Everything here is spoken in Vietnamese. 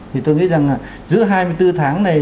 thì tôi nghĩ rằng giữ hai mươi bốn tháng này